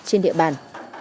trên địa bàn